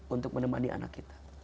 untuk menemani anak kita